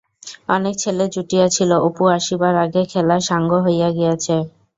অনেক ছেলে জুটিয়াছিল, অপু আসিবার আগেই খেলা সাঙ্গ হইয়া গিয়াছে।